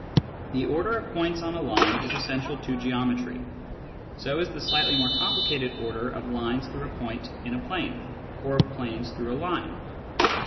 The order of points on a line is essential to geometry ; so is the slightly more complicated order of lines through a point in a plane, or of planes through a line.